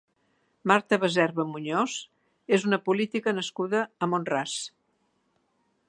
Marta Baserba Muñoz és una política nascuda a Mont-ras.